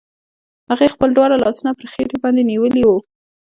هغې خپل دواړه لاسونه پر خېټې باندې نيولي وو.